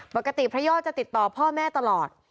พระยอดจะติดต่อพ่อแม่ตลอด